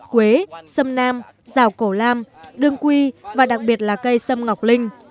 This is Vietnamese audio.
quế sâm nam giào cổ lam đương quy và đặc biệt là cây sâm ngọc linh